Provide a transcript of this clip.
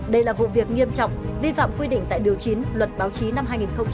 đây là vụ việc nghiêm trọng vi phạm quy định tại điều chín luật báo chí năm hai nghìn một mươi